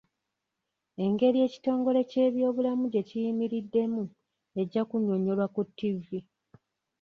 Engeri ekitongole ky'ebyobulamu gye kiyimiriddemu ejja kunyonnyolwa ku TV.